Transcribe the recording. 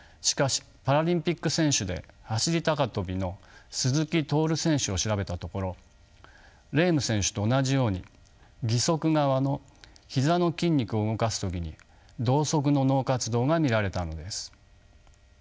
しかしパラリンピック選手で走り高跳びの鈴木徹選手を調べたところレーム選手と同じように義足側の膝の筋肉を動かす時に同側の脳活動が見られたのです。